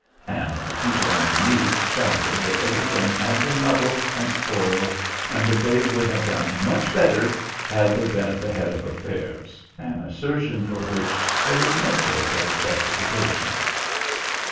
and the people underneath shouted that everything had been muddled and spoiled and that they would have done much better had they been at the head of affairs, an assertion for which there was no sort of justification.